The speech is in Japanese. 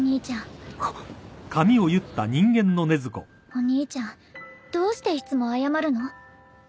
お兄ちゃんどうしていつも謝るの？